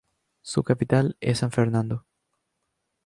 Su capital es San Fernando.